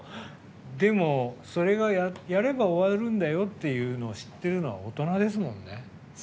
でも、それがやれば終わるんだよっていうのを知ってるのは大人ですもんね。